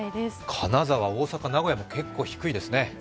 金沢、大阪、名古屋も結構低いですね。